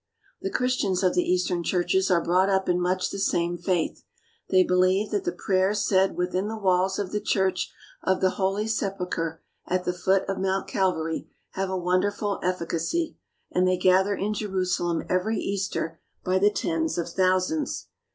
The Christians of the Eastern churches are brought up in much the same faith. They believe that the pray ers said within the walls of the Church of the Holy Sepulchre at the foot of Mount Calvary have a wonder ful efficacy, and they gather in Jerusalem every Easter by the tens of thousands.